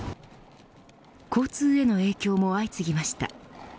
交通への影響も相次ぎました。